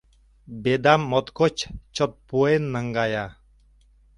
«Бедам» моткоч чот пуэн наҥгая.